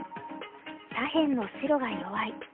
左辺の白が弱い。